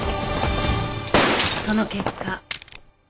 その結果